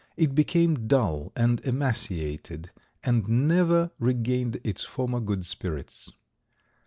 It became dull and emaciated and never regained its former good spirits.